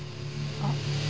あっ。